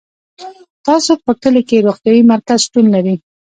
تاسو په کلي کي روغتيايي مرکز شتون لری